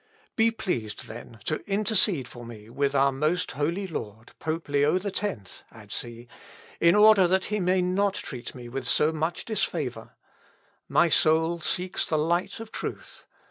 "Be pleased, then, to intercede for me with our most holy lord, Pope Leo X," adds he, "in order that he may not treat me with so much disfavour.... My soul seeks the light of truth.